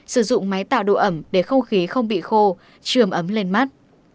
sử dụng máy tạo độ ẩm để không khí không bị khô trường ấm lên mắt